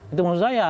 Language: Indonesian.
itu menurut saya